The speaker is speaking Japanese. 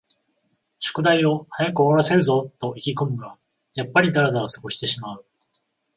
宿題を早く終わらせるぞと意気ごむが、やっぱりだらだら過ごしてしまう